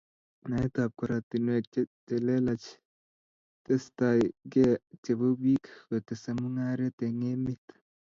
Naet ab koratinwek che lelach testaiab kei chebo piik kotese mungaret eng' emet